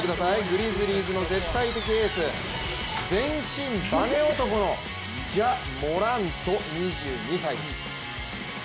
グリズリーズの絶対的エース、全身バネ男のジャ・モラント、２２歳です。